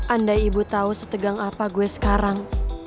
andai ibu tau setegang apa gue sekarang